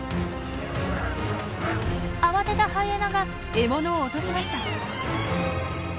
慌てたハイエナが獲物を落としました。